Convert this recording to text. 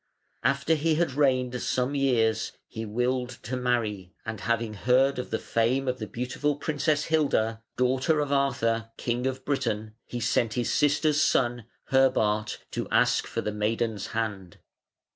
After he had reigned some years, he willed to marry, and having heard of the fame of the beautiful Princess Hilda, daughter of Arthur, King of Britain, he sent his sister's son, Herbart, to ask for the maiden's hand.